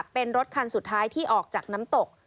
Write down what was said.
เป็นรถคันสุดท้ายที่ออกจากน้ำตก